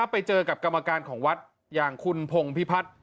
ไปเจอกับกรรมการของวัดอย่างคุณพงพิพัฒน์